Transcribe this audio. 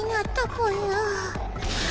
ぽよ！